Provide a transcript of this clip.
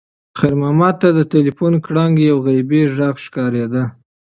خیر محمد ته د تلیفون ګړنګ یو غیبي غږ ښکارېده.